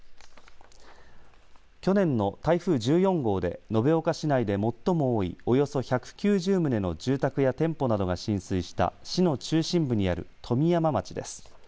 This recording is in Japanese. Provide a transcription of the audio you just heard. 去年の台風１４号で延岡市内で最も多いおよそ１９０棟の住宅や店舗などが浸水した市の中心部にある富美山町です。